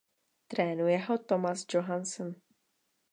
Trénuje ho Thomas Johansson.